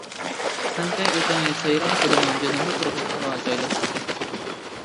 سەنتەي ئۆتىڭى سايرام كۆلىنىڭ جەنۇبى قىرغىقىغا جايلاشقان.